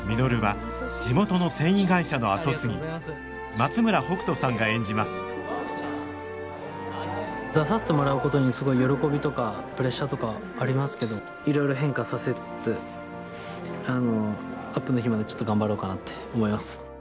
松村北斗さんが演じます出させてもらうことにすごい喜びとかプレッシャーとかありますけどいろいろ変化させつつあのアップの日までちょっと頑張ろうかなって思います。